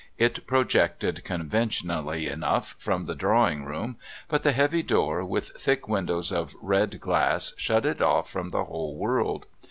It projected, conventionally enough, from the drawing room; but the heavy door with thick windows of red glass shut it off from the whole world.